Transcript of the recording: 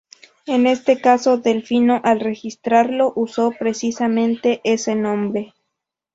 En este caso Delfino al registrarlo usó precisamente ese nombre.